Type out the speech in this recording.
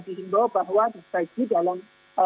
dihimbau bahwa disaji dalam